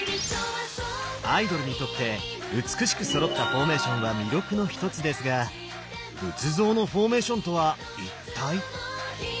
アイドルにとって美しくそろったフォーメーションは魅力の一つですが仏像のフォーメーションとは一体？